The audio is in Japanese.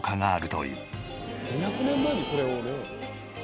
２００年前にこれをね。